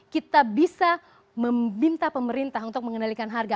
kita bisa meminta pemerintah untuk mengendalikan harga